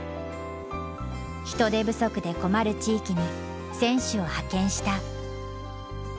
人手不足で困る地域に選手を派遣した。